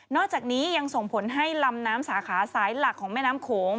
อกจากนี้ยังส่งผลให้ลำน้ำสาขาสายหลักของแม่น้ำโขง